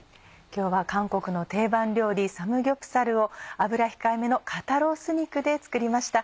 今日は韓国の定番料理「サムギョプサル」を油控えめの肩ロース肉で作りました。